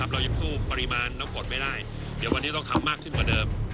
เรายังสู้ปริมาณน้ำฝนไม่ได้เดี๋ยววันนี้ต้องทำมากขึ้นกว่าเดิม